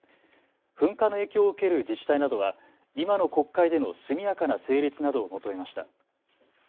噴火の影響を受ける自治体などは今の国会での速やかな成立などを求めました。